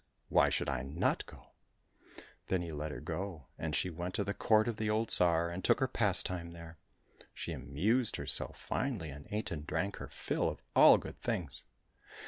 Why should I not go .^" Then he let her go, and she went to the court of the old Tsar, and took her pastime there. She amused herself finely, and ate and drank her fill of all good things.